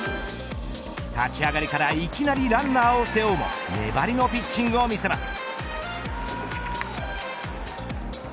立ち上がりからいきなりランナーを背負うも粘りのピッチングを見せます。